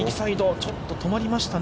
ちょっと止まりましたね。